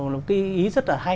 nó là một cái ý rất là hay